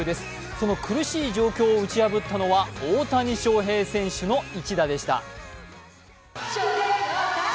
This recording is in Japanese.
その苦しい状況を打ち破ったのは大谷翔平選手の一打でした。